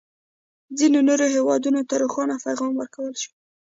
ځینو نورو هېوادونه ته روښانه پیغام ورکړل شو.